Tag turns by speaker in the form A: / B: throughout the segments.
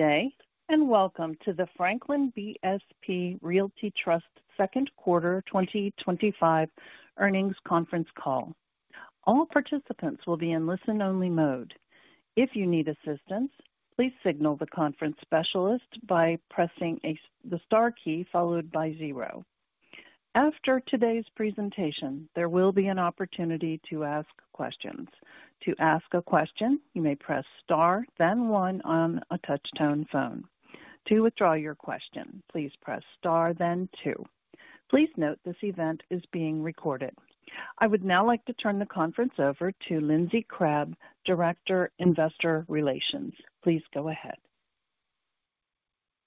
A: Today, and welcome to the Franklin BSP Realty Trust Second Quarter 2025 Earnings Conference Call. All participants will be in listen-only mode. If you need assistance, please signal the conference specialist by pressing the STAR key followed by zero. After today's presentation, there will be an opportunity to ask questions. To ask a question, you may press STAR, then ONE on a touchtone phone. To withdraw your question, please press STAR, then TWO. Please note this event is being recorded. I would now like to turn the conference over to Lindsey Crabbe, Director of Investor Relations. Please go ahead.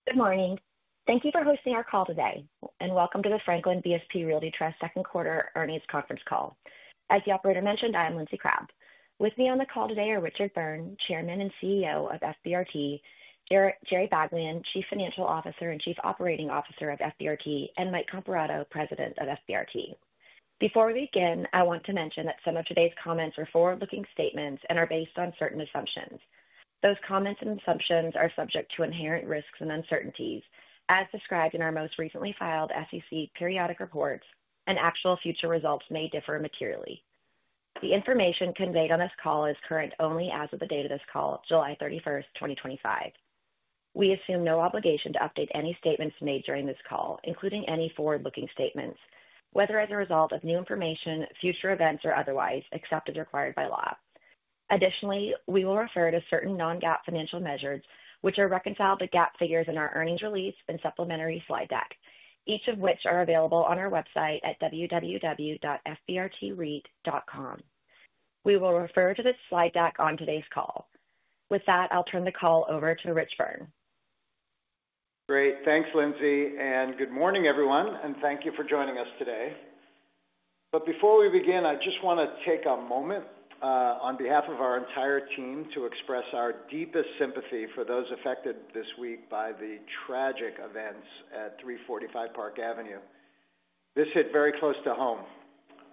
B: Good morning. Thank you for hosting our call today, and welcome to the Franklin BSP Realty Trust Second Quarter Earnings Conference Call. As the operator mentioned, I am Lindsey Crabbe. With me on the call today are Richard Byrne, Chairman and CEO of FBRT, Jerome Baglien, Chief Financial Officer and Chief Operating Officer of FBRT, and Michael Comparato, President of FBRT. Before we begin, I want to mention that some of today's comments are forward-looking statements and are based on certain assumptions. Those comments and assumptions are subject to inherent risks and uncertainties, as described in our most recently filed SEC periodic reports, and actual future results may differ materially. The information conveyed on this call is current only as of the date of this call, July 31st, 2025. We assume no obligation to update any statements made during this call, including any forward-looking statements, whether as a result of new information, future events, or otherwise, except as required by law. Additionally, we will refer to certain non-GAAP financial measures, which are reconciled to GAAP figures in our earnings release and supplementary slide deck, each of which are available on our website at www.fbrtreat.com. We will refer to this slide deck on today's call. With that, I'll turn the call over to Richard Byrne.
C: Great. Thanks, Lindsey, and good morning, everyone, and thank you for joining us today. Before we begin, I just want to take a moment on behalf of our entire team to express our deepest sympathy for those affected this week by the tragic events at 345 Park Avenue. This hit very close to home.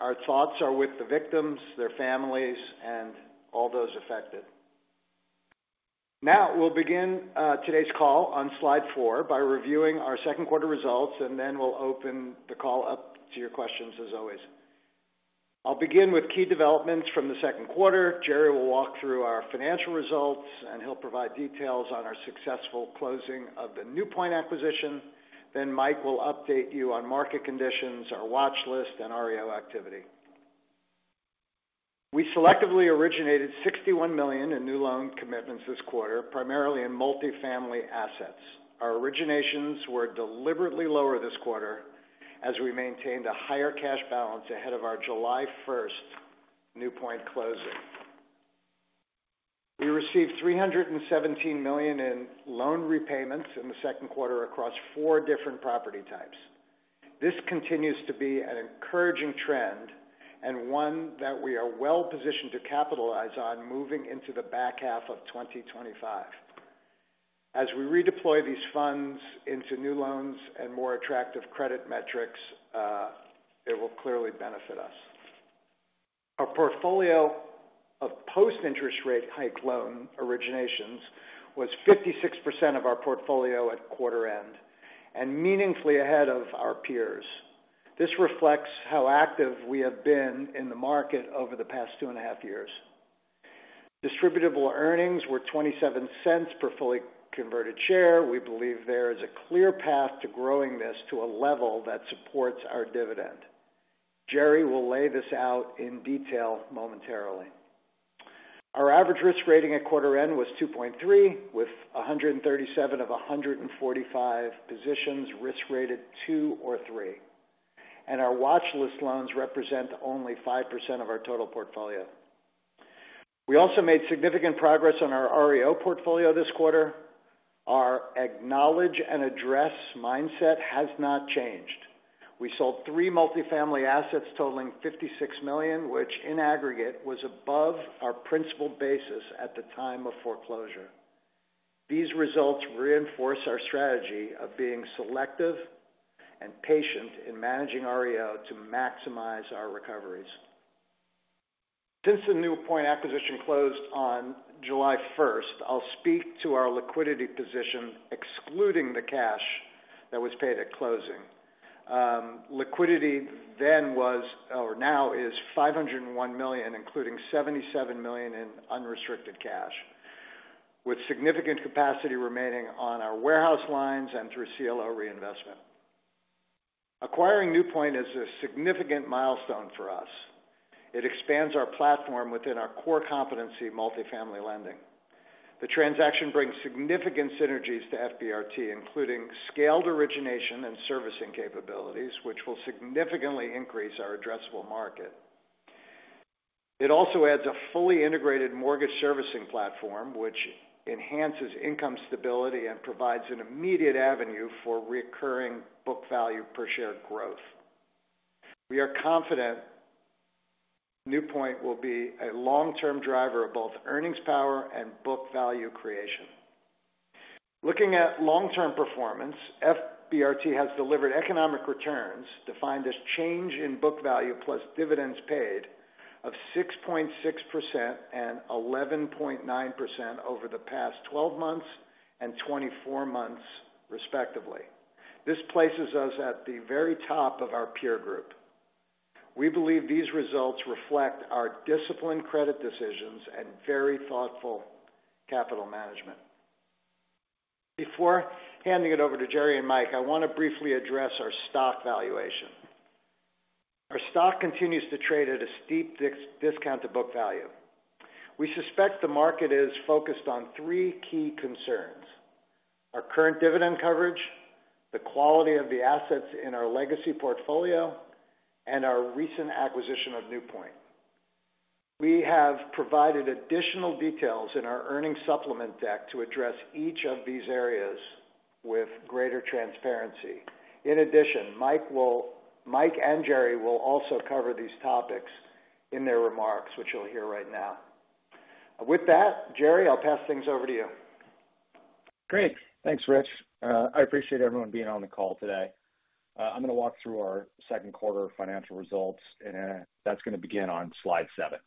C: Our thoughts are with the victims, their families, and all those affected. Now, we'll begin today's call on slide four by reviewing our second quarter results, and then we'll open the call up to your questions, as always. I'll begin with key developments from the second quarter. Jerry will walk through our financial results, and he'll provide details on our successful closing of the New Point acquisition. Mike will update you on market conditions, our watchlist, and REO activity. We selectively originated $61 million in new loan commitments this quarter, primarily in multifamily assets. Our originations were deliberately lower this quarter as we maintained a higher cash balance ahead of our July 1 New Point closing. We received $317 million in loan repayments in the second quarter across four different property types. This continues to be an encouraging trend and one that we are well positioned to capitalize on moving into the back half of 2025. As we redeploy these funds into new loans and more attractive credit metrics, it will clearly benefit us. Our portfolio of post-interest rate hike loan originations was 56% of our portfolio at quarter end and meaningfully ahead of our peers. This reflects how active we have been in the market over the past two and a half years. Distributable earnings were $0.27 per fully converted share. We believe there is a clear path to growing this to a level that supports our dividend. Jerry will lay this out in detail momentarily. Our average risk rating at quarter end was 2.3, with 137/145 positions risk-rated two or three, and our watchlist loans represent only 5% of our total portfolio. We also made significant progress on our REO portfolio this quarter. Our acknowledge and address mindset has not changed. We sold three multifamily assets totaling $56 million, which in aggregate was above our principal basis at the time of foreclosure. These results reinforce our strategy of being selective and patient in managing REO to maximize our recoveries. Since the New Point acquisition closed on July 1, I'll speak to our liquidity position, excluding the cash that was paid at closing. Liquidity then was, or now is $501 million, including $77 million in unrestricted cash, with significant capacity remaining on our warehouse lines and through CLO reinvestment. Acquiring New Point is a significant milestone for us. It expands our platform within our core competency, multifamily lending. The transaction brings significant synergies to FBRT, including scaled origination and servicing capabilities, which will significantly increase our addressable market. It also adds a fully integrated mortgage servicing platform, which enhances income stability and provides an immediate avenue for recurring book value per share growth. We are confident New Point will be a long-term driver of both earnings power and book value creation. Looking at long-term performance, FBRT has delivered economic returns defined as change in book value plus dividends paid of 6.6% and 11.9% over the past 12 months and 24 months, respectively. This places us at the very top of our peer group. We believe these results reflect our disciplined credit decisions and very thoughtful capital management. Before handing it over to Jerry and Mike, I want to briefly address our stock valuation. Our stock continues to trade at a steep discount to book value. We suspect the market is focused on three key concerns: our current dividend coverage, the quality of the assets in our legacy portfolio, and our recent acquisition of New Point. We have provided additional details in our earnings supplement deck to address each of these areas with greater transparency. In addition, Mike and Jerry will also cover these topics in their remarks, which you'll hear right now. With that, Jerry, I'll pass things over to you.
D: Great. Thanks, Rich. I appreciate everyone being on the call today. I'm going to walk through our second quarter financial results, and that's going to begin on slide seven.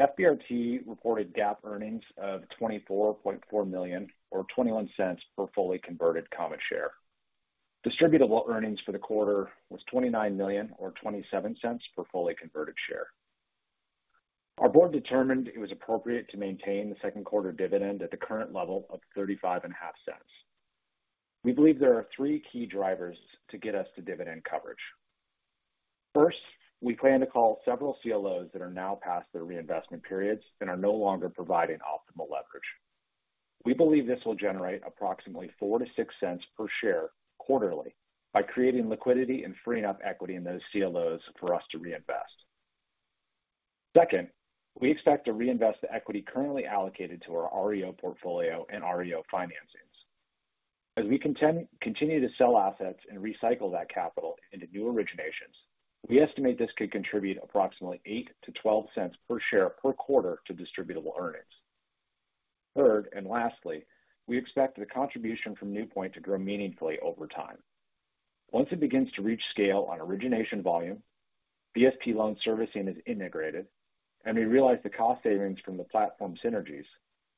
D: FBRT reported GAAP earnings of $24.4 million or $0.21 per fully converted common share. Distributable earnings for the quarter was $29 million or $0.27 per fully converted share. Our board determined it was appropriate to maintain the second quarter dividend at the current level of $0.355. We believe there are three key drivers to get us to dividend coverage. First, we plan to call several CLOs that are now past their reinvestment periods and are no longer providing optimal leverage. We believe this will generate approximately $0.04-$0.06 per share quarterly by creating liquidity and freeing up equity in those CLOs for us to reinvest. Second, we expect to reinvest the equity currently allocated to our REO portfolio and REO financings. As we continue to sell assets and recycle that capital into new originations, we estimate this could contribute approximately $0.08-$0.12 per share per quarter to distributable earnings. Third, and lastly, we expect the contribution from New Point to grow meaningfully over time. Once it begins to reach scale on origination volume, BSP loan servicing is integrated, and we realize the cost savings from the platform synergies,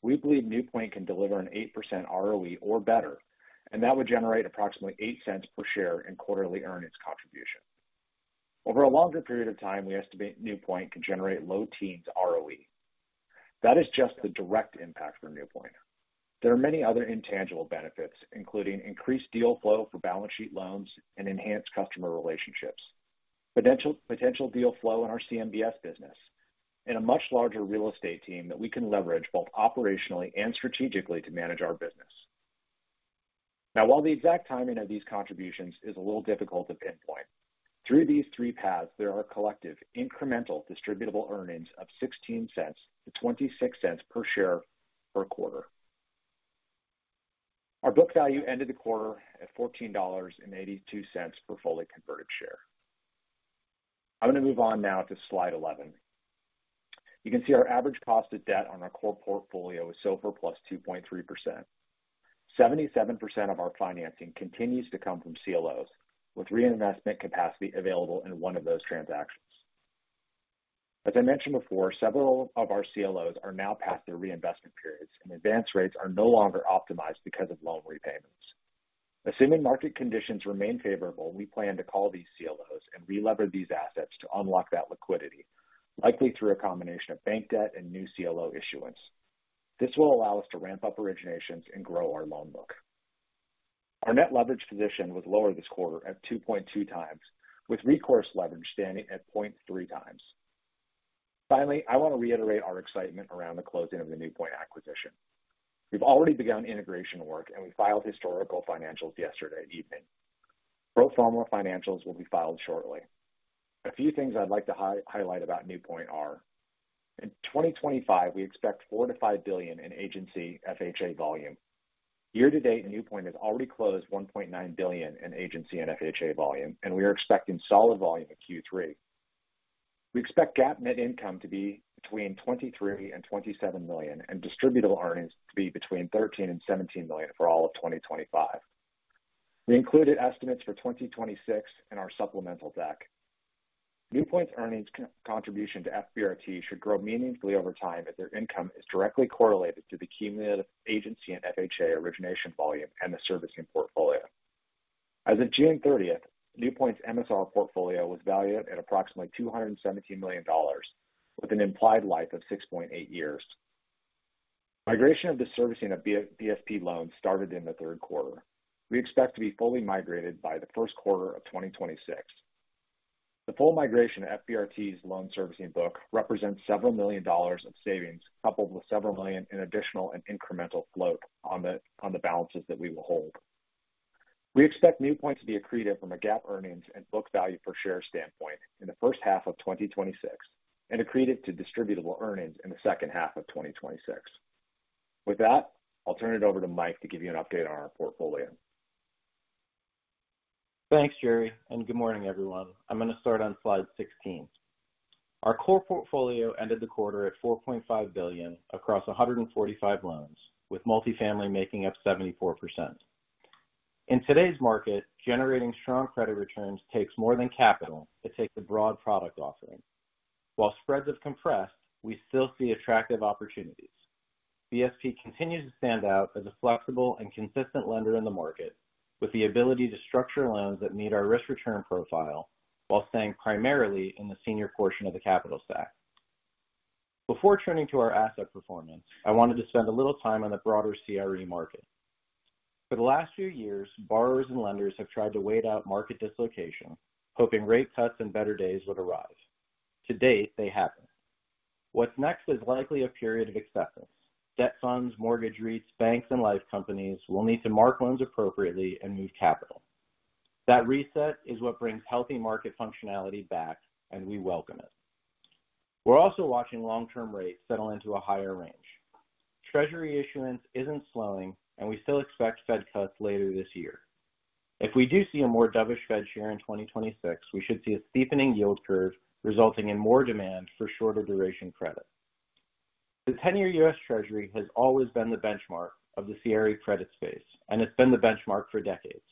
D: we believe New Point can deliver an 8% ROE or better, and that would generate approximately $0.08 per share in quarterly earnings contribution. Over a longer period of time, we estimate New Point can generate low teens ROE. That is just the direct impact for New Point. There are many other intangible benefits, including increased deal flow for balance sheet loans and enhanced customer relationships, potential deal flow in our CMBS business, and a much larger real estate team that we can leverage both operationally and strategically to manage our business. Now, while the exact timing of these contributions is a little difficult to pinpoint, through these three paths, there are collective incremental distributable earnings of $0.16-$0.26 per share per quarter. Our book value ended the quarter at $14.82 per fully converted share. I'm going to move on now to slide 11. You can see our average cost of debt on our core portfolio is SOFR +2.3%. 77% of our financing continues to come from CLOs, with reinvestment capacity available in one of those transactions. As I mentioned before, several of our CLOs are now past their reinvestment periods, and advance rates are no longer optimized because of loan repayments. Assuming market conditions remain favorable, we plan to call these CLOs and re-leverage these assets to unlock that liquidity, likely through a combination of bank debt and new CLO issuance. This will allow us to ramp up originations and grow our loan look. Our net leverage position was lower this quarter at 2.2 times, with recourse leverage standing at 0.3 times. Finally, I want to reiterate our excitement around the closing of the New Point acquisition. We've already begun integration work, and we filed historical financials yesterday evening. Pro forma financials will be filed shortly. A few things I'd like to highlight about New Point are: in 2025, we expect $4billion-$5 billion in agency FHA volume. Year to date, New Point has already closed $1.9 billion in agency and FHA volume, and we are expecting solid volume at Q3. We expect GAAP net income to be between $23 and $27 million, and distributable earnings to be between $13 and $17 million for all of 2025. We included estimates for 2026 in our supplemental deck. New Point's earnings contribution to FBRT should grow meaningfully over time as their income is directly correlated to the cumulative agency and FHA origination volume and the servicing portfolio. As of June 30th, New Point's MSR portfolio was valued at approximately $217 million, with an implied life of 6.8 years. Migration of the servicing of BSP loans started in the third quarter. We expect to be fully migrated by the first quarter of 2026. The full migration of FBRT's loan servicing book represents several million dollars of savings, coupled with several million in additional and incremental float on the balances that we will hold. We expect New Point to be accretive from a GAAP earnings and book value per share standpoint in the first half of 2026, and accretive to distributable earnings in the second half of 2026. With that, I'll turn it over to Mike to give you an update on our portfolio.
E: Thanks, Jerry, and good morning, everyone. I'm going to start on slide 16. Our core portfolio ended the quarter at $4.5 billion across 145 loans, with multifamily making up 74%. In today's market, generating strong credit returns takes more than capital to take the broad product offering. While spreads have compressed, we still see attractive opportunities. BSP continues to stand out as a flexible and consistent lender in the market, with the ability to structure loans that meet our risk return profile while staying primarily in the senior portion of the capital stack. Before turning to our asset performance, I wanted to spend a little time on the broader CRE market. For the last few years, borrowers and lenders have tried to wait out market dislocation, hoping rate cuts and better days would arrive. To date, they haven't. What's next is likely a period of acceptance. Debt funds, mortgage REITs, banks, and life companies will need to mark loans appropriately and move capital. That reset is what brings healthy market functionality back, and we welcome it. We're also watching long-term rates settle into a higher range. Treasury issuance isn't slowing, and we still expect Fed cuts later this year. If we do see a more dovish Fed share in 2026, we should see a steepening yield curve resulting in more demand for shorter duration credit. The 10-year U.S. Treasury has always been the benchmark of the CRE credit space, and it's been the benchmark for decades.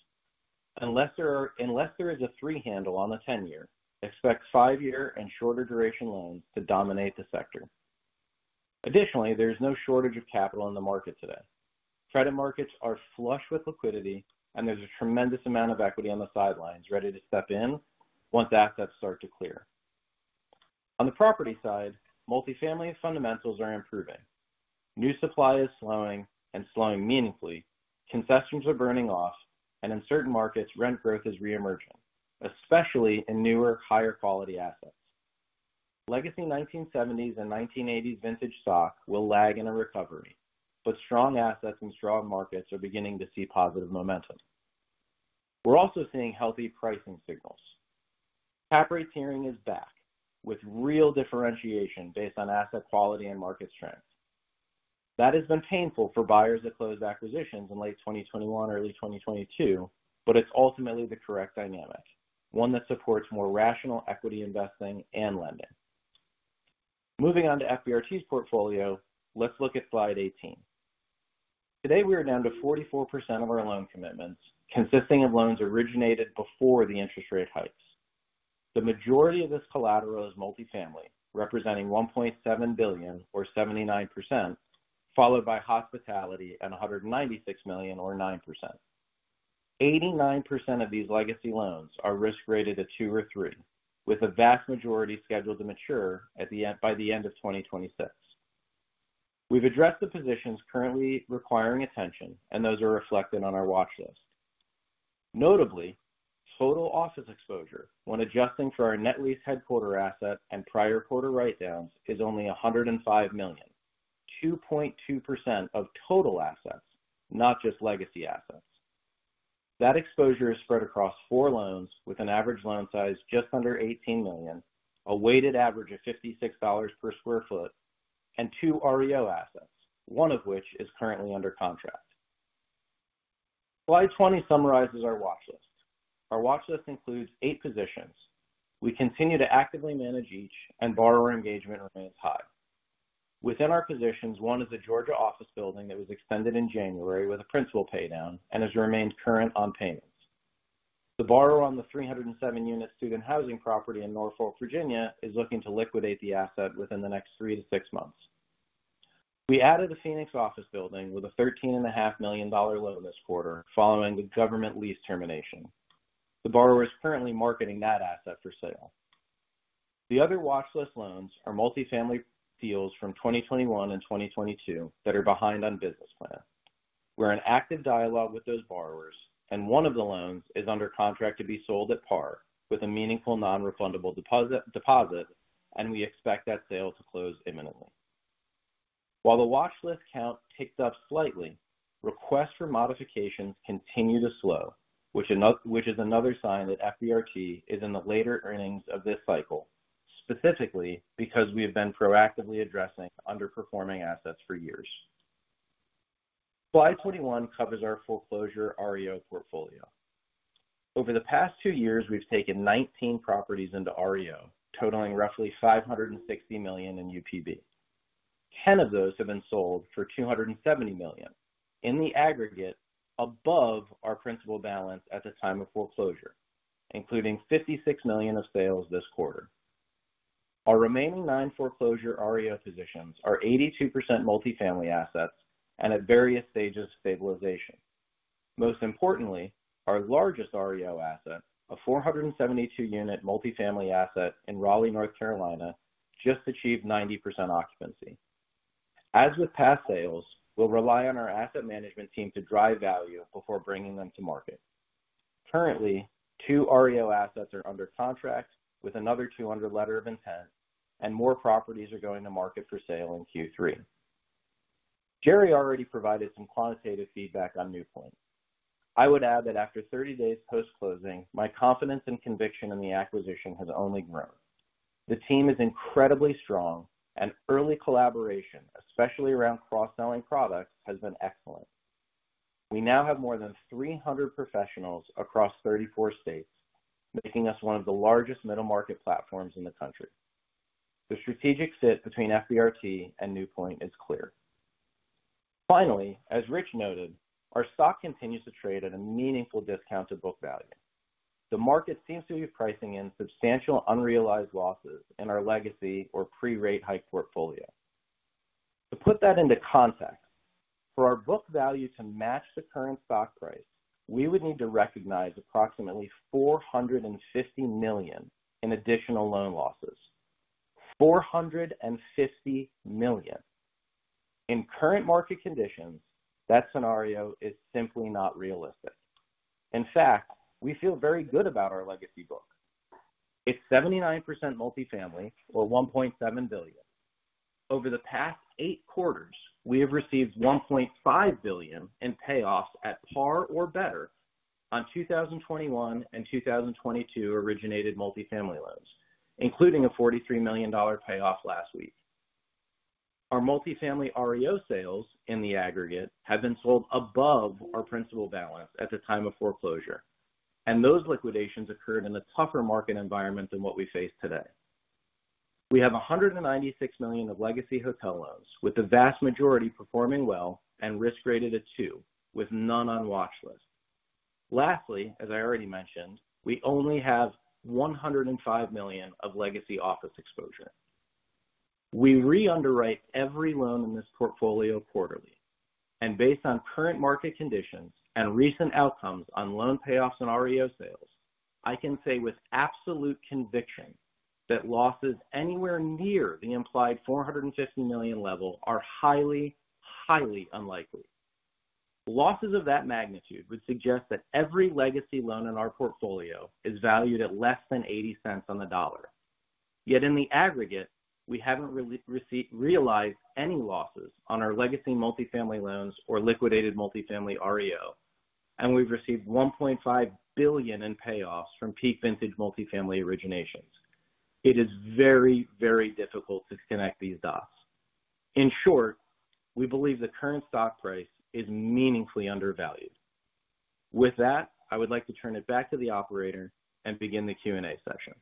E: Unless there is a three-handle on the 10-year, expect five-year and shorter duration loans to dominate the sector. Additionally, there is no shortage of capital in the market today. Credit markets are flush with liquidity, and there's a tremendous amount of equity on the sidelines ready to step in once assets start to clear. On the property side, multifamily fundamentals are improving. New supply is slowing and slowing meaningfully. Concessions are burning off, and in certain markets, rent growth is reemerging, especially in newer, higher quality assets. Legacy 1970s and 1980s vintage stock will lag in a recovery, but strong assets and strong markets are beginning to see positive momentum. We're also seeing healthy pricing signals. Cap rate tiering is back, with real differentiation based on asset quality and market strength. That has been painful for buyers at closed acquisitions in late 2021, early 2022, but it's ultimately the correct dynamic, one that supports more rational equity investing and lending. Moving on to FBRT's portfolio, let's look at slide 18. Today, we are down to 44% of our loan commitments, consisting of loans originated before the interest rate hikes. The majority of this collateral is multifamily, representing $1.7 billion or 79%, followed by hospitality and $196 million or 9%. 89% of these legacy loans are risk rated at two or three, with a vast majority scheduled to mature by the end of 2026. We've addressed the positions currently requiring attention, and those are reflected on our watchlist. Notably, total office exposure, when adjusting for our net lease headquarter asset and prior quarter write-downs, is only $105 million, 2.2% of total assets, not just legacy assets. That exposure is spread across four loans, with an average loan size just under $18 million, a weighted average of $56 per sq ft, and two REO assets, one of which is currently under contract. Slide 20 summarizes our watchlist. Our watchlist includes eight positions. We continue to actively manage each, and borrower engagement remains high. Within our positions, one is a Georgia office building that was extended in January with a principal paydown and has remained current on payments. The borrower on the 307-unit student housing property in Norfolk, Virginia, is looking to liquidate the asset within the next three to six months. We added a Phoenix office building with a $13.5 million loan this quarter following the government lease termination. The borrower is currently marketing that asset for sale. The other watchlist loans are multifamily deals from 2021 and 2022 that are behind on business plan. We're in active dialogue with those borrowers, and one of the loans is under contract to be sold at par with a meaningful non-refundable deposit, and we expect that sale to close imminently. While the watchlist count ticked up slightly, requests for modifications continue to slow, which is another sign that FBRT is in the later innings of this cycle, specifically because we have been proactively addressing underperforming assets for years. Slide 21 covers our foreclosure REO portfolio. Over the past two years, we've taken 19 properties into REO, totaling roughly $560 million in UPB. Ten of those have been sold for $270 million in the aggregate above our principal balance at the time of foreclosure, including $56 million of sales this quarter. Our remaining nine foreclosure REO positions are 82% multifamily assets and at various stages of stabilization. Most importantly, our largest REO asset, a 472-unit multifamily asset in Raleigh, North Carolina, just achieved 90% occupancy. As with past sales, we'll rely on our asset management team to drive value before bringing them to market. Currently, two REO assets are under contract, with another two under letter of intent, and more properties are going to market for sale in Q3. Jerry already provided some quantitative feedback on New Point. I would add that after 30 days post-closing, my confidence and conviction in the acquisition has only grown. The team is incredibly strong, and early collaboration, especially around cross-selling products, has been excellent. We now have more than 300 professionals across 34 states, making us one of the largest middle-market platforms in the country. The strategic fit between FBRT and New Point is clear. Finally, as Rich noted, our stock continues to trade at a meaningful discount to book value. The market seems to be pricing in substantial unrealized losses in our legacy or pre-rate hike portfolio. To put that into context, for our book value to match the current stock price, we would need to recognize approximately $450 million in additional loan losses. $450 million. In current market conditions, that scenario is simply not realistic. In fact, we feel very good about our legacy book. It's 79% multifamily or $1.7 billion. Over the past eight quarters, we have received $1.5 billion in payoffs at par or better on 2021 and 2022 originated multifamily loans, including a $43 million payoff last week. Our multifamily REO sales in the aggregate have been sold above our principal balance at the time of foreclosure, and those liquidations occurred in a tougher market environment than what we face today. We have $196 million of legacy hotel loans, with the vast majority performing well and risk rated at two, with none on watchlist. Lastly, as I already mentioned, we only have $105 million of legacy office exposure. We re-underwrite every loan in this portfolio quarterly, and based on current market conditions and recent outcomes on loan payoffs and REO sales, I can say with absolute conviction that losses anywhere near the implied $450 million level are highly, highly unlikely. Losses of that magnitude would suggest that every legacy loan in our portfolio is valued at less than $0.80 on the dollar. Yet in the aggregate, we haven't realized any losses on our legacy multifamily loans or liquidated multifamily REO, and we've received $1.5 billion in payoffs from peak vintage multifamily originations. It is very, very difficult to connect these dots. In short, we believe the current stock price is meaningfully undervalued. With that, I would like to turn it back to the operator and begin the Q&A session.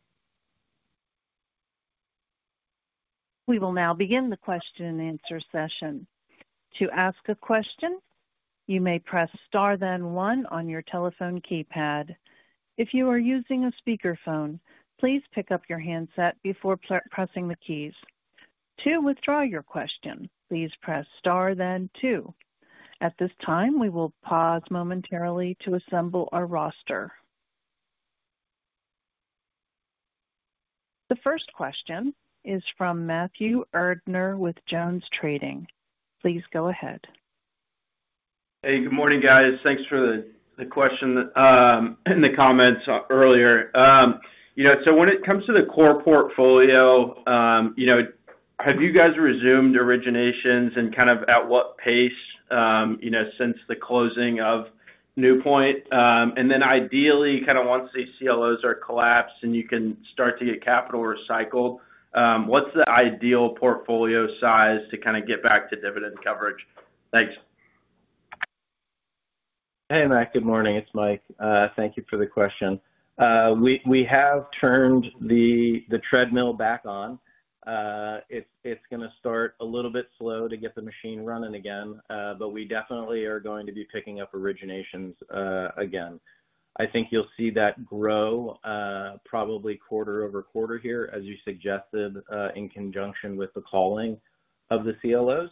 A: We will now begin the question and answer session. To ask a question, you may press STAR, then ONE on your telephone keypad. If you are using a speakerphone, please pick up your handset before pressing the keys. To withdraw your question, please press STAR, then TWO. At this time, we will pause momentarily to assemble our roster. The first question is from Matthew Erdner with JonesTrading. Please go ahead.
F: Hey, good morning, guys. Thanks for the question in the comments earlier. When it comes to the core portfolio, have you guys resumed originations and kind of at what pace since the closing of New Point? Ideally, once these CLOs are collapsed and you can start to get capital recycled, what's the ideal portfolio size to kind of get back to dividend coverage? Thanks.
E: Hey, Matt. Good morning. It's Mike. Thank you for the question. We have turned the treadmill back on. It's going to start a little bit slow to get the machine running again, but we definitely are going to be picking up originations again. I think you'll see that grow probably quarter over quarter here, as you suggested, in conjunction with the calling of the CLOs.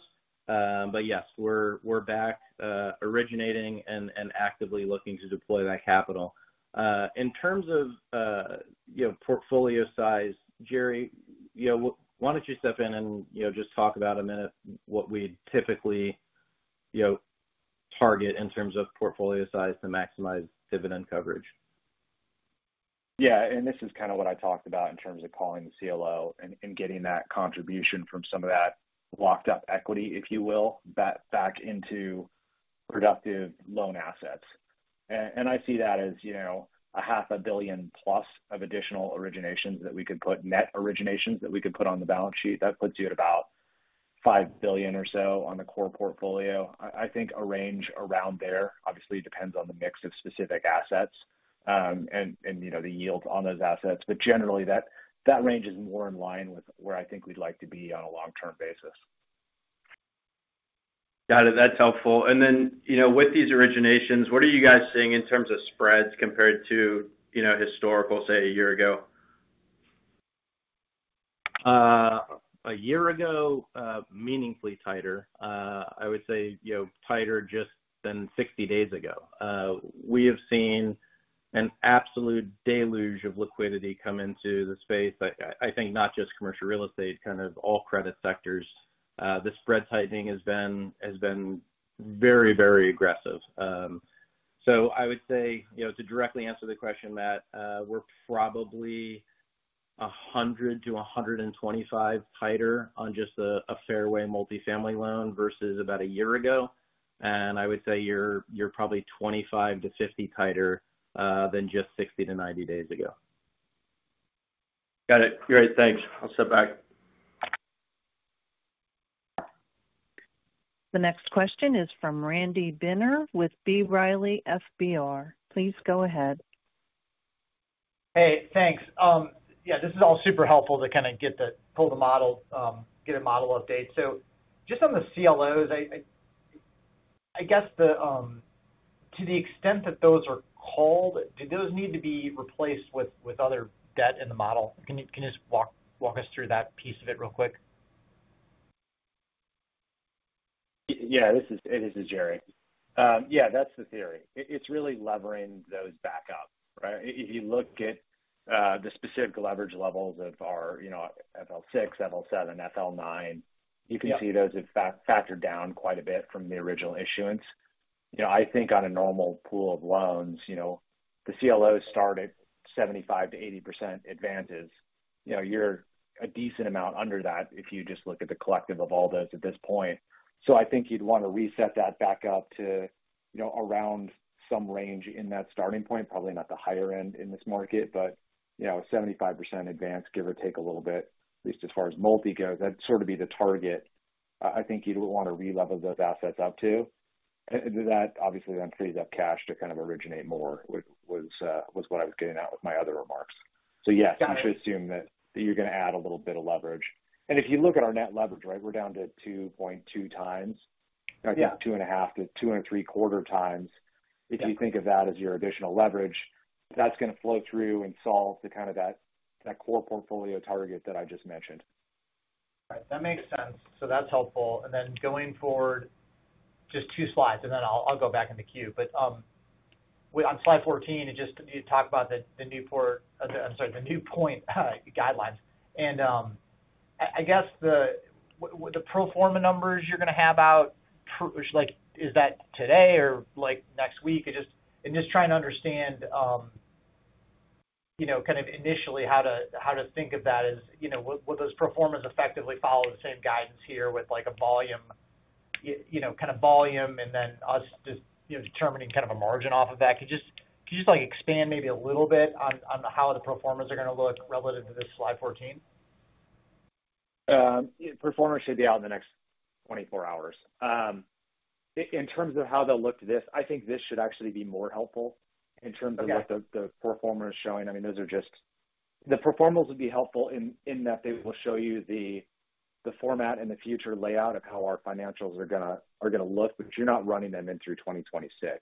E: Yes, we're back originating and actively looking to deploy that capital. In terms of portfolio size, Jerry, why don't you step in and just talk about a minute what we typically target in terms of portfolio size to maximize dividend coverage?
D: Yeah, this is kind of what I talked about in terms of calling the CLO and getting that contribution from some of that locked up equity, if you will, back into productive loan assets. I see that as, you know, a half a billion plus of additional originations that we could put, net originations that we could put on the balance sheet. That puts you at about $5 billion or so on the core portfolio. I think a range around there obviously depends on the mix of specific assets and, you know, the yields on those assets. Generally, that range is more in line with where I think we'd like to be on a long-term basis.
F: Got it. That's helpful. With these originations, what are you guys seeing in terms of spreads compared to, you know, historical, say, a year ago?
E: A year ago, meaningfully tighter. I would say, you know, tighter just than 60 days ago. We have seen an absolute deluge of liquidity come into the space. I think not just commercial real estate, kind of all credit sectors. The spread tightening has been very, very aggressive. I would say, you know, to directly answer the question, Matt, we're probably 100-125 basis points tighter on just a fairway multifamily loan versus about a year ago. I would say you're probably 25-50 basis points tighter than just 60-90 days ago.
F: Got it. Great. Thanks. I'll step back.
A: The next question is from Randy Binner with B. Riley FBR. Please go ahead.
G: Hey, thanks. Yeah, this is all super helpful to kind of get that, pull the model, get a model update. Just on the CLOs, I guess to the extent that those are called, do those need to be replaced with other debt in the model? Can you just walk us through that piece of it real quick?
D: Yeah, this is Jerry. Yeah, that's the theory. It's really levering those back up. If you look at the specific leverage levels of our, you know, FL6, FL7, FL9, you can see those have factored down quite a bit from the original issuance. I think on a normal pool of loans, the CLOs start at 75%-80% advances. You're a decent amount under that if you just look at the collective of all those at this point. I think you'd want to reset that back up to around some range in that starting point, probably not the higher end in this market, but 75% advance, give or take a little bit, at least as far as multi goes, that'd sort of be the target. I think you'd want to re-level those assets up to. That obviously then frees up cash to kind of originate more, was what I was getting at with my other remarks. Yes, you should assume that you're going to add a little bit of leverage. If you look at our net leverage, right, we're down to 2.2x, I think 2.5x-2.75x. If you think of that as your additional leverage, that's going to flow through and solve the kind of that core portfolio target that I just mentioned.
G: All right, that makes sense. That's helpful. Going forward, just two slides, and then I'll go back into Q. On slide 14, you just talked about the New Point guidelines. I guess the pro forma numbers you're going to have out, is that today or next week? I'm just trying to understand initially how to think of that. Would those pro formas effectively follow the same guidance here with a volume, kind of volume, and then us just determining kind of a margin off of that? Could you expand maybe a little bit on how the pro formas are going to look relative to this slide 14?
D: Performers should be out in the next 24 hours. In terms of how they'll look to this, I think this should actually be more helpful in terms of what the pro forma is showing. Those are just, the pro formas would be helpful in that they will show you the format and the future layout of how our financials are going to look because you're not running them in through 2026.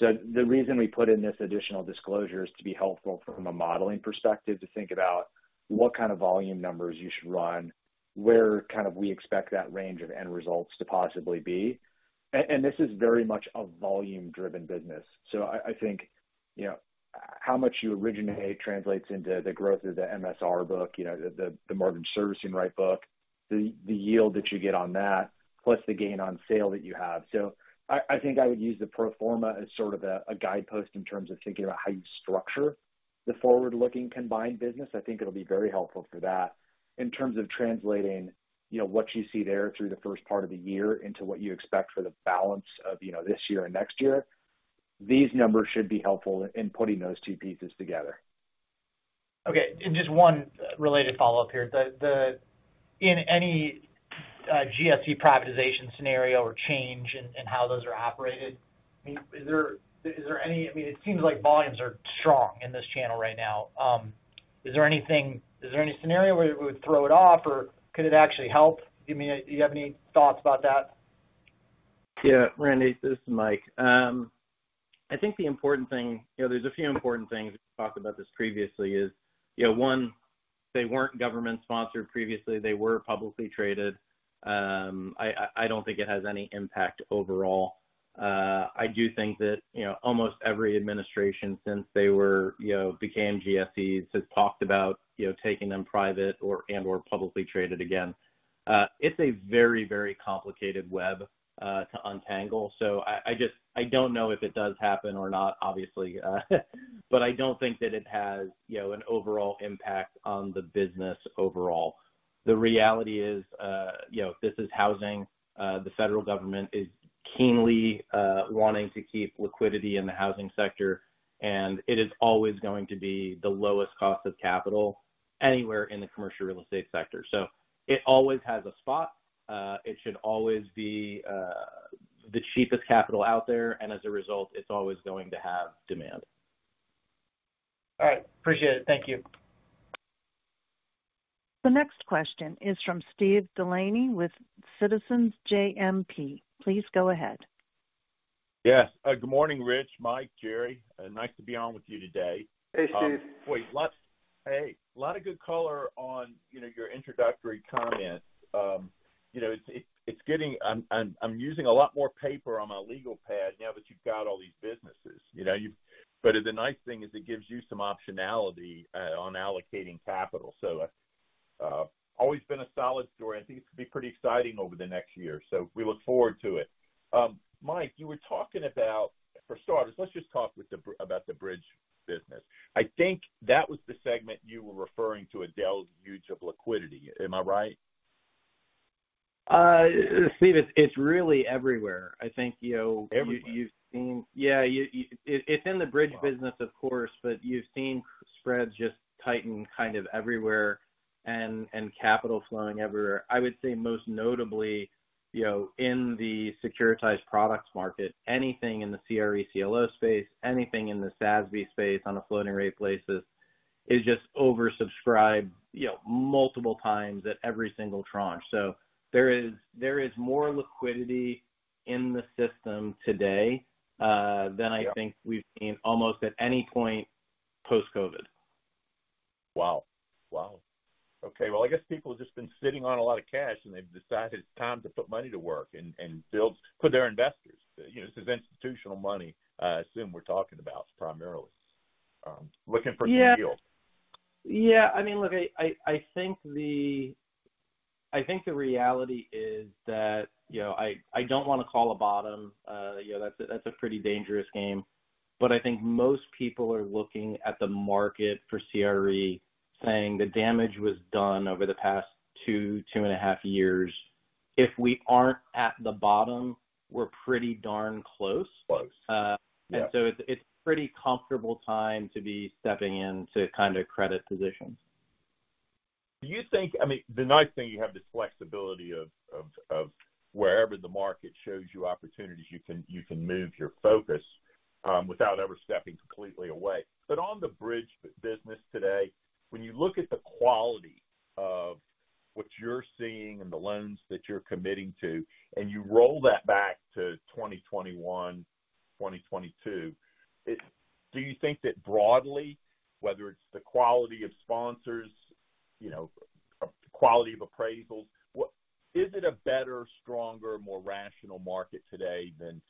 D: The reason we put in this additional disclosure is to be helpful from a modeling perspective to think about what kind of volume numbers you should run, where we expect that range of end results to possibly be. This is very much a volume-driven business. I think how much you originate translates into the growth of the MSR book, the mortgage servicing rights book, the yield that you get on that, plus the gain on sale that you have. I would use the pro forma as sort of a guidepost in terms of thinking about how you structure the forward-looking combined business. I think it'll be very helpful for that. In terms of translating what you see there through the first part of the year into what you expect for the balance of this year and next year, these numbers should be helpful in putting those two pieces together.
G: Okay. Just one related follow-up here. In any GFC privatization scenario or change in how those are operated, is there any, it seems like volumes are strong in this channel right now. Is there any scenario where it would throw it off or could it actually help? Do you have any thoughts about that?
E: Yeah, Randy, this is Mike. I think the important thing, you know, there's a few important things. We talked about this previously, you know, one, they weren't government-sponsored previously. They were publicly traded. I don't think it has any impact overall. I do think that, you know, almost every administration since they became GFCs has talked about taking them private and/or publicly traded again. It's a very, very complicated web to untangle. I just, I don't know if it does happen or not, obviously, but I don't think that it has an overall impact on the business overall. The reality is, you know, this is housing. The federal government is keenly wanting to keep liquidity in the housing sector, and it is always going to be the lowest cost of capital anywhere in the commercial real estate sector. It always has a spot. It should always be the cheapest capital out there, and as a result, it's always going to have demand.
G: All right. Appreciate it. Thank you.
A: The next question is from Steve Delaney with Citizens JMP. Please go ahead.
H: Yes. Good morning, Rich, Mike, Jerry. Nice to be on with you today.
C: Hey, Steve.
H: Hey, a lot of good color on your introductory comments. It's getting, I'm using a lot more paper on my legal pad now that you've got all these businesses. The nice thing is it gives you some optionality on allocating capital. I've always been a solid story. I think it's going to be pretty exciting over the next year. We look forward to it. Mike, you were talking about, for starters, let's just talk about the bridge business. I think that was the segment you were referring to, a deluge of liquidity. Am I right?
E: Steve, it's really everywhere. I think you've seen, yeah, it's in the bridge business, of course, but you've seen spreads just tighten kind of everywhere and capital flowing everywhere. I would say most notably in the securitized products market, anything in the CRE CLO space, anything in the SASB space on a floating rate basis is just oversubscribed, multiple times at every single tranche. There is more liquidity in the system today than I think we've seen almost at any point post-COVID.
H: Wow. Okay. I guess people have just been sitting on a lot of cash and they've decided it's time to put money to work and build, put their investors. You know, this is institutional money, I assume we're talking about primarily. Looking for some yield.
E: Yeah. I mean, look, I think the reality is that I don't want to call a bottom. That's a pretty dangerous game. I think most people are looking at the market for CRE, saying the damage was done over the past two, two and a half years. If we aren't at the bottom, we're pretty darn close.
H: Close.
E: It's a pretty comfortable time to be stepping into kind of credit positions.
H: Do you think, I mean, the nice thing is you have this flexibility of wherever the market shows you opportunities, you can move your focus without ever stepping completely away. On the bridge business today, when you look at the quality of what you're seeing and the loans that you're committing to, and you roll that back to 2021, 2022, do you think that broadly, whether it's the quality of sponsors, the quality of appraisals, is it a better, stronger, more rational market today than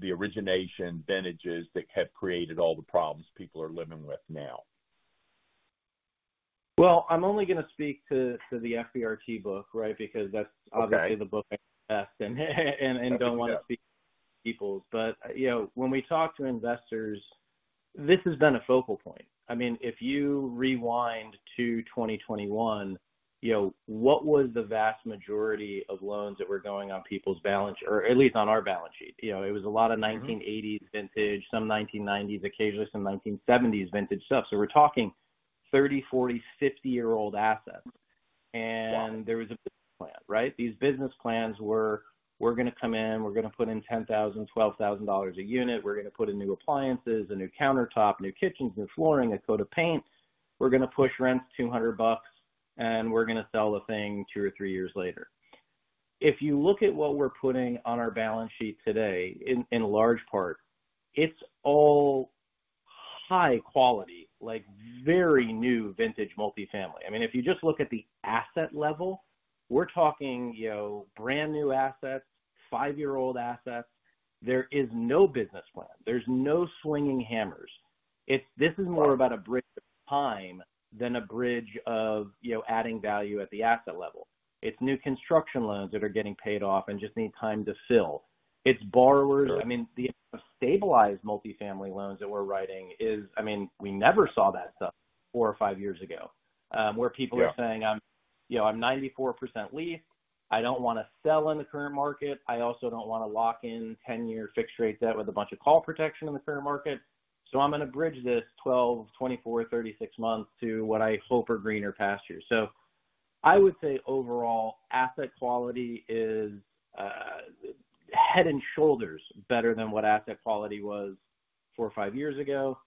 H: the origination vintages that have created all the problems people are living with now?
E: I'm only going to speak to the FBRT book, right, because that's obviously the book I invest in and don't want to speak to people's. When we talk to investors, this has been a focal point. If you rewind to 2021, what was the vast majority of loans that were going on people's balance sheet, or at least on our balance sheet? It was a lot of 1980s vintage, some 1990s, occasionally some 1970s vintage stuff. We're talking 30, 40, 50-year-old assets. There was a business plan, right? These business plans were, we're going to come in, we're going to put in $10,000, $12,000 a unit, we're going to put in new appliances, a new countertop, new kitchens, new flooring, a coat of paint. We're going to push rents $200, and we're going to sell the thing two or three years later. If you look at what we're putting on our balance sheet today, in large part, it's all high quality, like very new vintage multifamily. If you just look at the asset level, we're talking brand new assets, five-year-old assets. There is no business plan. There's no swinging hammers. This is more about a bridge of time than a bridge of adding value at the asset level. It's new construction loans that are getting paid off and just need time to fill. It's borrowers. The stabilized multifamily loans that we're writing is, I mean, we never saw that stuff four or five years ago where people are saying, I'm 94% lease. I don't want to sell in the current market. I also don't want to lock in 10-year fixed rate debt with a bunch of call protection in the current market. I'm going to bridge this 12, 24, 36 months to what I hope are greener pastures. I would say overall asset quality is head and shoulders better than what asset quality was four or five years ago.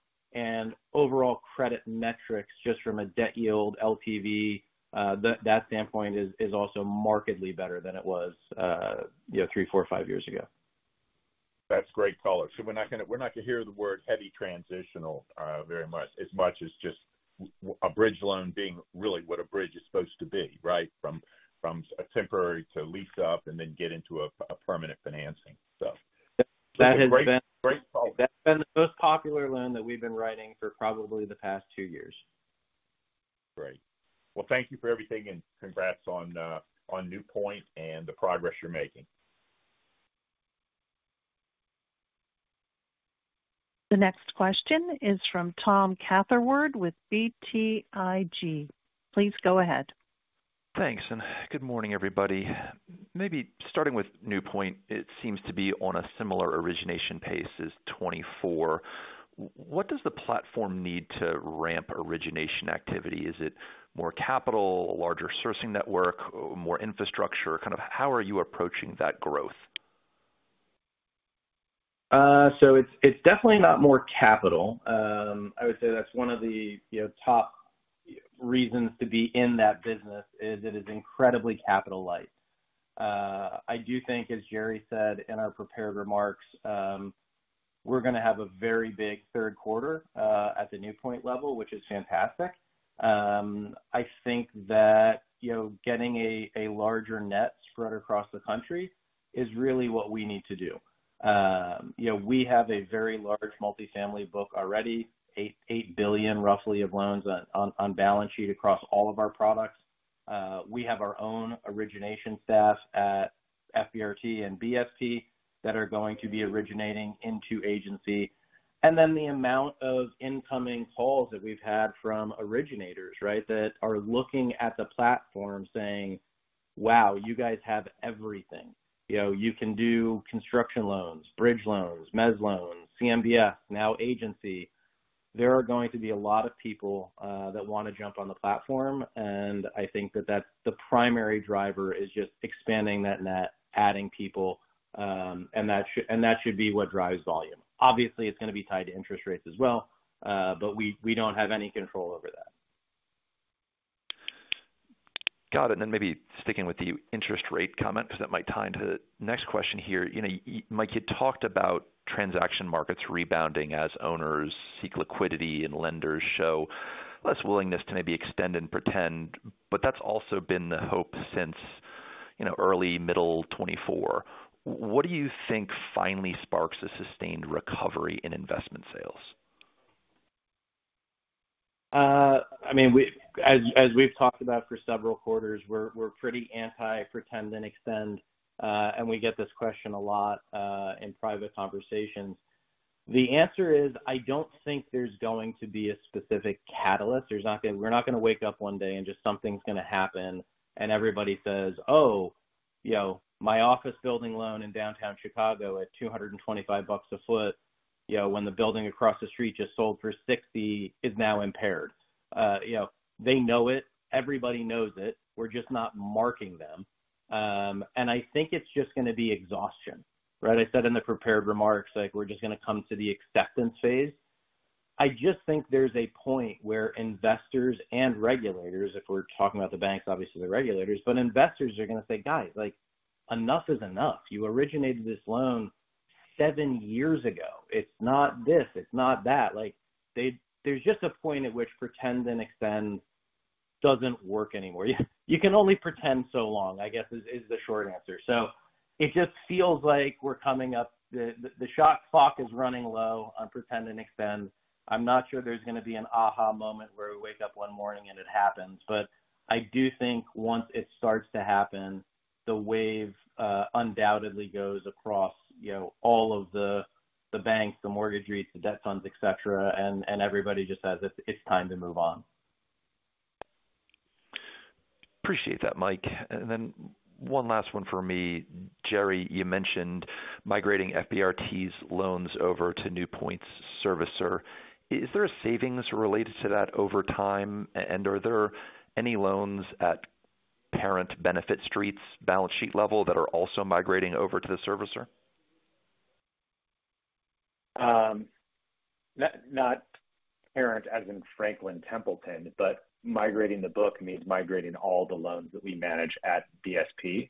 E: Overall credit metrics, just from a debt yield, LTV, that standpoint is also markedly better than it was three, four, five years ago.
H: That's great color. We're not going to hear the word heavy transitional very much, as much as just a bridge loan being really what a bridge is supposed to be, right? From a temporary to lease up and then get into a permanent financing.
E: That has been the most popular loan that we've been writing for probably the past two years.
H: Great. Thank you for everything and congrats on New Point and the progress you're making.
A: The next question is from Tom Catherward with BTIG. Please go ahead.
I: Thanks. Good morning, everybody. Maybe starting with New Point, it seems to be on a similar origination pace as 2024. What does the platform need to ramp origination activity? Is it more capital, a larger sourcing network, more infrastructure? How are you approaching that growth?
E: It is definitely not more capital. I would say that's one of the top reasons to be in that business is it is incredibly capital-light. I do think, as Jerry said in our prepared remarks, we're going to have a very big third quarter at the New Point level, which is fantastic. I think that getting a larger net spread across the country is really what we need to do. We have a very large multifamily book already, $8 billion roughly of loans on balance sheet across all of our products. We have our own origination staff at FBRT and BSP that are going to be originating into agency. The amount of incoming calls that we've had from originators that are looking at the platform saying, wow, you guys have everything. You can do construction loans, bridge loans, mez loans, CMBS, now agency. There are going to be a lot of people that want to jump on the platform. I think that that's the primary driver, just expanding that net, adding people. That should be what drives volume. Obviously, it's going to be tied to interest rates as well, but we don't have any control over that.
I: Got it. Maybe sticking with the interest rate comment, because that might tie into the next question here. You know, Mike, you talked about transaction markets rebounding as owners seek liquidity and lenders show less willingness to maybe extend and pretend. That has also been the hope since early, middle 2024. What do you think finally sparks a sustained recovery in investment sales?
E: I mean, as we've talked about for several quarters, we're pretty anti-pretend and extend. We get this question a lot in private conversations. The answer is I don't think there's going to be a specific catalyst. We're not going to wake up one day and just something's going to happen and everybody says, oh, you know, my office building loan in downtown Chicago at $225 a ft, you know, when the building across the street just sold for $60 is now impaired. They know it. Everybody knows it. We're just not marking them. I think it's just going to be exhaustion, right? I said in the prepared remarks, like we're just going to come to the acceptance phase. I just think there's a point where investors and regulators, if we're talking about the banks, obviously the regulators, but investors are going to say, guys, like enough is enough. You originated this loan seven years ago. It's not this. It's not that. There's just a point at which pretend and extend doesn't work anymore. You can only pretend so long, I guess, is the short answer. It just feels like we're coming up. The shot clock is running low on pretend and extend. I'm not sure there's going to be an aha moment where we wake up one morning and it happens. I do think once it starts to happen, the wave undoubtedly goes across all of the banks, the mortgage REITs, the debt funds, et cetera, and everybody just says it's time to move on.
I: Appreciate that, Mike. One last one for me. Jerry, you mentioned migrating FBRT's loans over to New Point's servicer. Is there a savings related to that over time, and are there any loans at parent Benefit Street's balance sheet level that are also migrating over to the servicer?
D: Not parent as in Franklin Templeton, but migrating the book means migrating all the loans that we manage at BSP,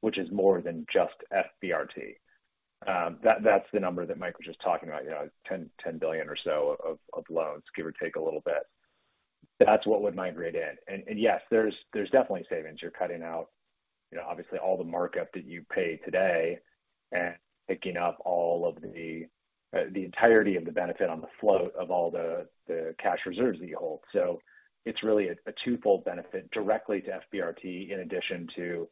D: which is more than just FBRT. That's the number that Mike was just talking about, you know, $10 billion or so of loans, give or take a little bit. That's what would migrate in. Yes, there's definitely savings. You're cutting out, you know, obviously all the markup that you pay today and picking up all of the entirety of the benefit on the float of all the cash reserves that you hold. It's really a twofold benefit directly to FBRT in addition to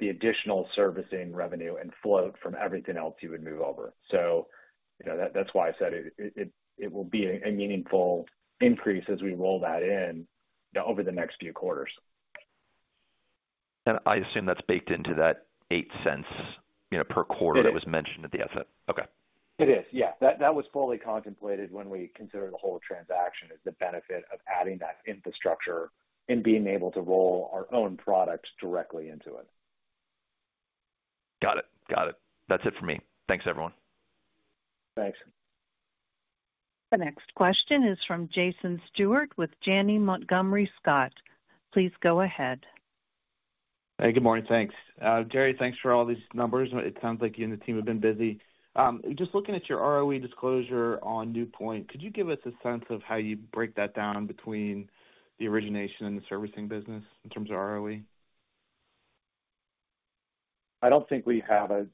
D: the additional servicing revenue and float from everything else you would move over. That's why I said it will be a meaningful increase as we roll that in over the next few quarters.
I: I assume that's baked into that $0.08 per quarter that was mentioned at the outset. Okay.
D: It is. Yeah, that was fully contemplated when we considered the whole transaction as the benefit of adding that infrastructure and being able to roll our own products directly into it.
I: Got it. That's it for me. Thanks, everyone.
D: Thanks.
A: The next question is from Jason Stewart with Janney Montgomery Scott. Please go ahead.
J: Hey, good morning. Thanks. Jerry, thanks for all these numbers. It sounds like you and the team have been busy. Just looking at your ROE disclosure on New Point, could you give us a sense of how you break that down between the origination and the servicing business in terms of ROE?
D: I don't think we have a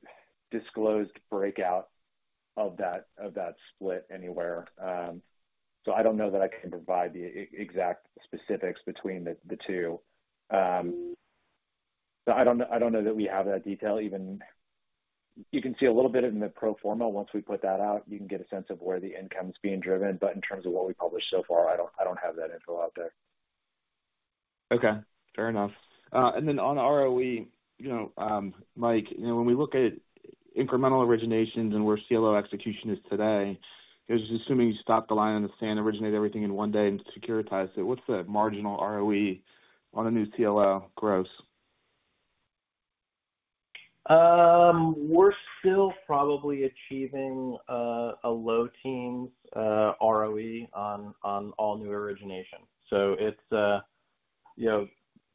D: disclosed breakout of that split anywhere. I don't know that I can provide the exact specifics between the two. I don't know that we have that detail even. You can see a little bit in the pro forma once we put that out. You can get a sense of where the income is being driven. In terms of what we published so far, I don't have that info out there.
I: Okay. Fair enough. On ROE, you know, Mike, when we look at incremental originations and where CLO execution is today, just assuming you stopped the line in the sand, originated everything in one day, and securitized it, what's the marginal ROE on a new CLO gross?
E: We're still probably achieving a low teens ROE on all new origination.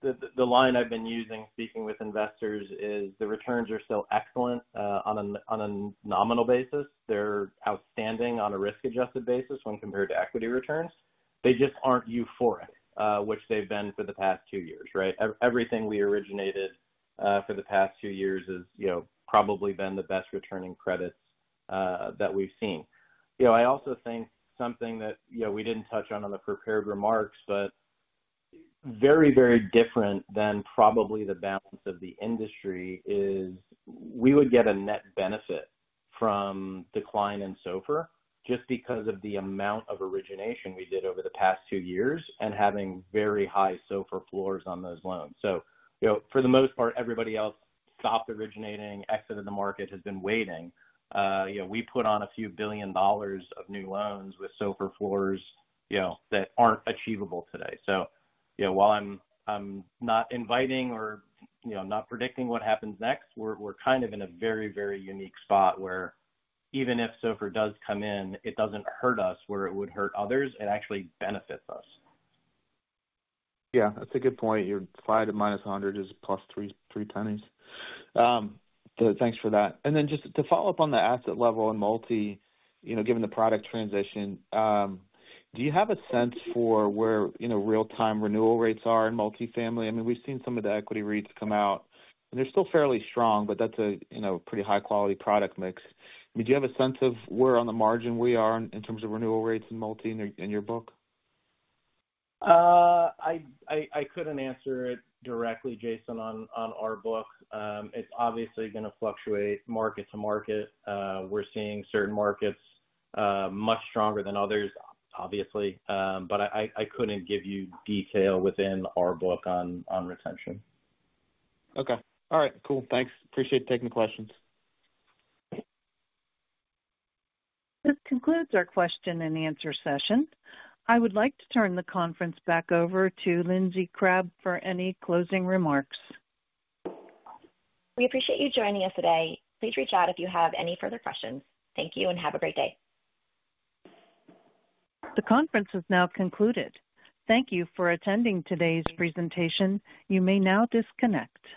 E: The line I've been using speaking with investors is the returns are still excellent on a nominal basis. They're outstanding on a risk-adjusted basis when compared to equity returns. They just aren't euphoric, which they've been for the past two years, right? Everything we originated for the past two years has probably been the best returning credits that we've seen. I also think something that we didn't touch on in the prepared remarks, but very, very different than probably the balance of the industry, is we would get a net benefit from decline in SOFR just because of the amount of origination we did over the past two years and having very high SOFR floors on those loans. For the most part, everybody else stopped originating, exited the market, has been waiting. We put on a few billion dollars of new loans with SOFR floors that aren't achievable today. While I'm not inviting or I'm not predicting what happens next, we're kind of in a very, very unique spot where even if SOFR does come in, it doesn't hurt us where it would hurt others. It actually benefits us.
J: Yeah, that's a good point. Your 5 to -100 is plus three tonnes. Thanks for that. Just to follow up on the asset level and multi, you know, given the product transition, do you have a sense for where, you know, real-time renewal rates are in multifamily? I mean, we've seen some of the equity REITs come out, and they're still fairly strong, but that's a pretty high-quality product mix. Do you have a sense of where on the margin we are in terms of renewal rates and multi in your book?
E: I couldn't answer it directly, Jason, on our book. It's obviously going to fluctuate market to market. We're seeing certain markets much stronger than others, obviously. I couldn't give you detail within our book on retention.
J: Okay. All right. Cool. Thanks. Appreciate taking the questions.
A: This concludes our question and answer session. I would like to turn the conference back over to Lindsey Crabbe for any closing remarks.
B: We appreciate you joining us today. Please reach out if you have any further questions. Thank you, and have a great day.
A: The conference is now concluded. Thank you for attending today's presentation. You may now disconnect.